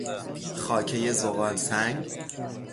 خاکهی زغالسنگ